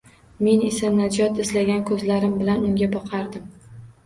Men esa najot izlagan ko`zlarim bilan unga boqardim